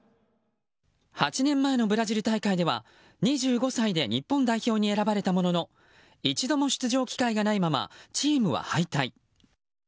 ８年前のブラジル大会では２５歳で日本代表に選ばれたものの一度も出場機会がないままチームは敗退。